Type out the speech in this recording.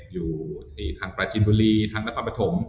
อยู่ที่ทางปราจินบุรีทางนครปฐม